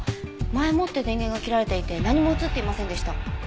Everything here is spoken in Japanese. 前もって電源が切られていて何も映っていませんでした。